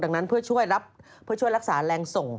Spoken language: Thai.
ดังนั้นเพื่อช่วยรักษาแรงส่ง